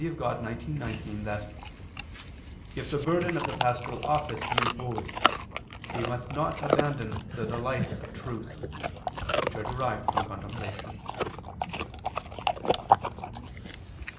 Dei xix, 19) that "if the burden of the pastoral office be imposed, we must not abandon the delights of truth," which are derived from contemplation.